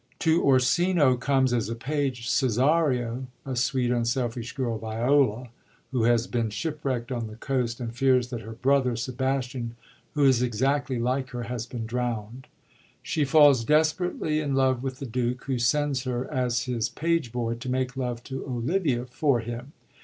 To Orsino comes as a page» "•4 TWELFTH NIGHT— ALL'S WELL Cesario, a sweet, unselfish girl, Viola, who has been shipwreckt on the coast, and fears that her brother, Sebastian, who is exactly like her, has been drownd. She falls desperately in love with the Duke, who sends her, as his boy page, to make love to Olivia for him.